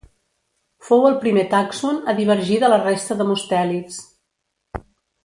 Fou el primer tàxon a divergir de la resta de mustèlids.